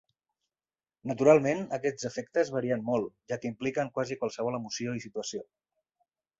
Naturalment, aquests efectes varien molt, ja que impliquen quasi qualsevol emoció i situació.